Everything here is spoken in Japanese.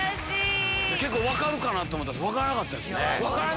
結構分かるかなと思ったら分かんなかったですね。